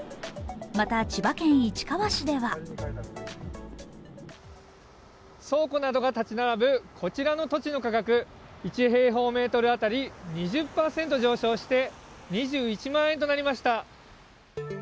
また千葉県市川市では倉庫などが建ち並ぶこちらの土地の価格１平方メートル当たり２０％上昇して２１万円となりました。